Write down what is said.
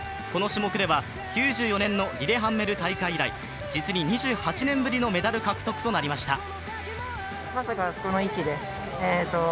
この種目では９４年のリレハンメル大会以来実に２８年ぶりのメダル獲得となりました。